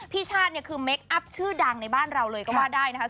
ชาติเนี่ยคือเมคอัพชื่อดังในบ้านเราเลยก็ว่าได้นะคะ